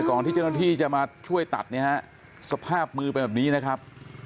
ที่เจ้าหน้าที่จะมาช่วยตัดเนี่ยฮะสภาพมือเป็นแบบนี้นะครับ